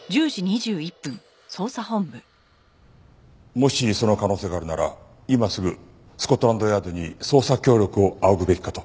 もしその可能性があるなら今すぐスコットランドヤードに捜査協力を仰ぐべきかと。